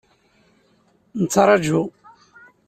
Nettraǧu.